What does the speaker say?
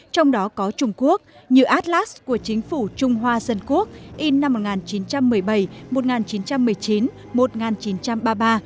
trong đó có trung quốc như atlas của chính phủ trung hoa dân quốc in năm một nghìn chín trăm một mươi bảy một nghìn chín trăm một mươi chín một nghìn chín trăm ba mươi ba